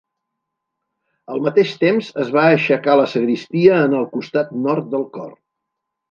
Al mateix temps es va aixecar la sagristia en el costat nord del cor.